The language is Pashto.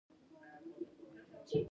احمد وويل: مېلمه ته خټینه کاسه ورکوي.